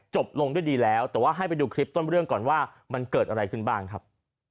จบลงด้วยดีแล้วแต่ว่าให้ไปดูคลิปต้นเรื่องก่อนว่ามันเกิดอะไรขึ้นบ้างครับ